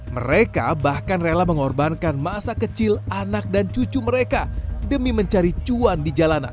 mereka bahkan rela mengorbankan masa kecil anak dan cucu mereka demi mencari cuan di jalanan